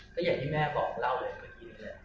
ก็อย่าที่แม่ต้องยิ้มเริ่มกันนึกเลย